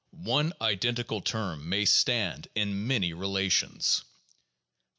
One identical term may stand in many relations. 2.